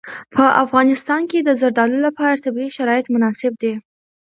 په افغانستان کې د زردالو لپاره طبیعي شرایط مناسب دي.